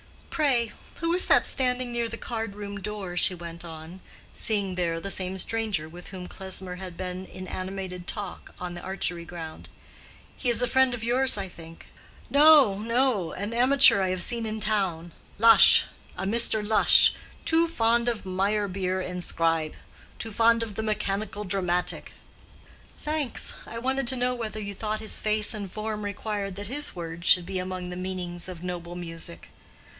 "Pray, who is that standing near the card room door?" she went on, seeing there the same stranger with whom Klesmer had been in animated talk on the archery ground. "He is a friend of yours, I think." "No, no; an amateur I have seen in town; Lush, a Mr. Lush—too fond of Meyerbeer and Scribe—too fond of the mechanical dramatic." "Thanks. I wanted to know whether you thought his face and form required that his words should be among the meanings of noble music?"